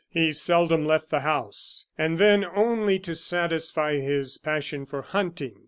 He seldom left the house, and then only to satisfy his passion for hunting.